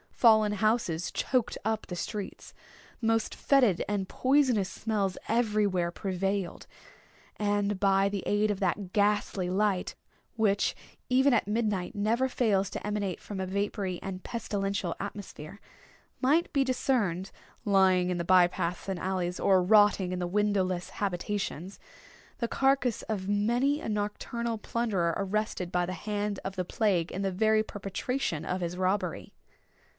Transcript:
Fallen houses choked up the streets. The most fetid and poisonous smells everywhere prevailed;—and by the aid of that ghastly light which, even at midnight, never fails to emanate from a vapory and pestilential atmosphere, might be discerned lying in the by paths and alleys, or rotting in the windowless habitations, the carcass of many a nocturnal plunderer arrested by the hand of the plague in the very perpetration of his robbery.